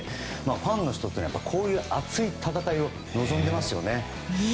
ファンの人っていうのはこういう熱い戦いを望んでいますよね。